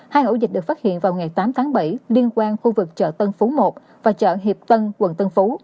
hai ổ dịch được phát hiện vào ngày tám tháng bảy liên quan khu vực chợ tân phú một và chợ hiệp tân quận tân phú